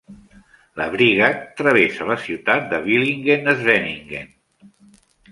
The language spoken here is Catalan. La Brigach travessa la ciutat de Villingen-Schwenningen.